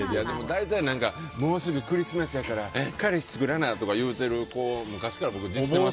大体、もうすぐクリスマスから彼氏作らな！とか言うてる子昔から。